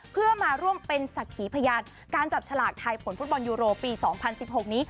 เพื่อมาร่วมเป็นศักดิ์ขีพยานการจับฉลากไทยผลฟุตบอลยูโรปี๒๐๑๖นี้